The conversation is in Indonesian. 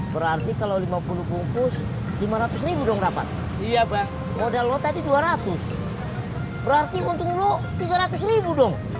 berarti kalau lima puluh bungkus lima ratus ribu dong rapat iya bang modal lo tadi dua ratus berarti untung lo tiga ratus ribu dong